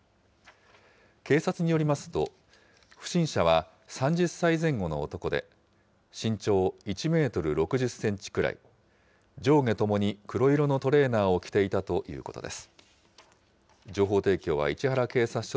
警察によりますと、不審者は３０歳前後の男で、身長１メートル６０センチくらい、上下ともに黒色のトレーナーを着ていたということです。